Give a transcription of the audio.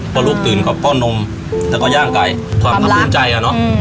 เพราะลูกตื่นกำป้อนนมและย่างไกล